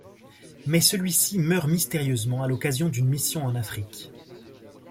Mais celui-ci meurt mystérieusement à l’occasion d’une mission en Afrique.